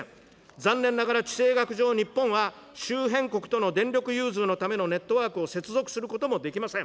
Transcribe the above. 残念ながら地政学上、日本は周辺国との電力融通のためのネットワークを接続することもできません。